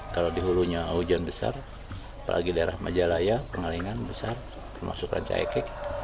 kalau di hulunya hujan besar apalagi di daerah majalaya pengalingan besar termasuk rancayakek